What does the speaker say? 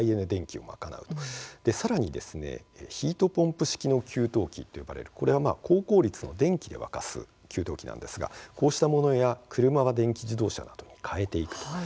さらにヒートポンプ式の給湯器と呼ばれるこれは高効率の電気で沸かす給湯器なんですが車は電気自動車などに替えていく。